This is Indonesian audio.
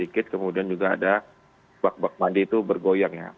kemudian juga ada bak bak mandi itu bergoyangnya